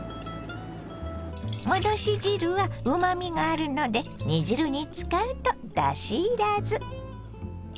戻し汁はうまみがあるので煮汁に使うとだしいらず。